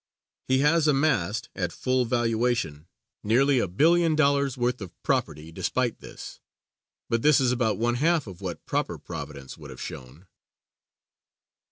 He has amassed, at full valuation, nearly a billion dollars' worth of property, despite this, but this is about one half of what proper providence would have shown.